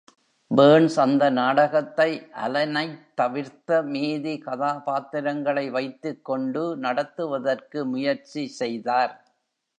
Burns அந்த நாடகத்தை, Allen-ஐத் தவிர்த்த மீதி கதாபாத்திரங்களை வைத்துக் கொண்டு, நடத்துவதற்கு முயற்சி செய்தார்.